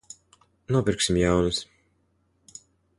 Nopirksim jaunas.